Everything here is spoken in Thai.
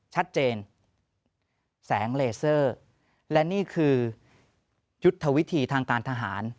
ชัดเจนแสงเลเซอร์และนี่คือยุทธวิธีทางการทหาร